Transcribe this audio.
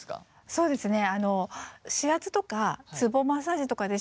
そうですね。